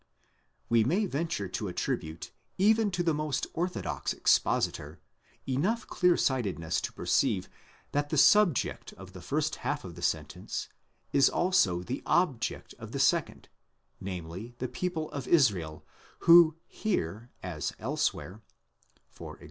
We may venture to attribute, even to the most orthodox expositor, enough clear sightedness to perceive that the subject of the first half of the sentence is also the object of the second, namely the people of Israel, who here, as elsewhere, (e.g.